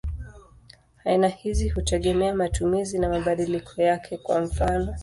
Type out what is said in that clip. Aina hizi hutegemea matumizi na mabadiliko yake; kwa mfano.